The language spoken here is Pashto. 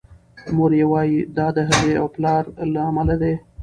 مور یې وايي دا د هغې او پلار له امله دی.